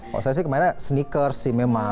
kalau saya sih kemarin sneakers sih memang